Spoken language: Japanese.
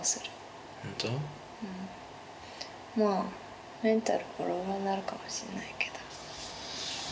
まあメンタルボロボロになるかもしれないけど。